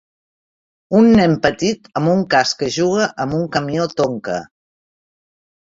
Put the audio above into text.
Un nen petit amb un casc que juga amb un camió Tonka